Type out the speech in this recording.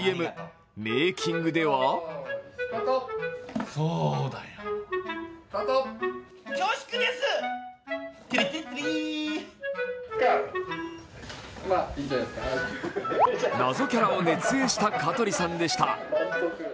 メーキングでは謎キャラを熱演した香取さんでした。